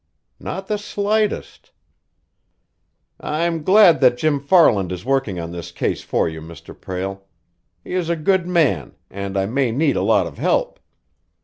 "Not the slightest." "I'm glad that Jim Farland is working on this case for you, Mr. Prale. He is a good man, and I may need a lot of help.